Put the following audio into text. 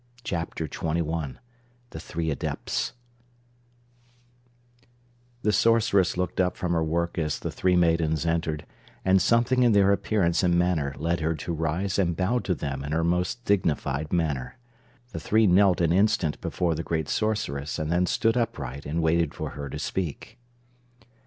Chapter Twenty One The Three Adepts The Sorceress looked up from her work as the three maidens entered, and something in their appearance and manner led her to rise and bow to them in her most dignified manner. The three knelt an instant before the great Sorceress and then stood upright and waited for her to speak.